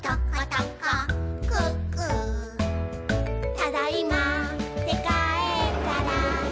「ただいまーってかえったら」